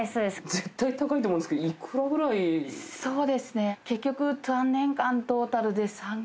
絶対高いと思うんですけどそうですね結局。